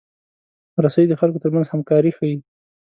رسۍ د خلکو ترمنځ همکاري ښيي.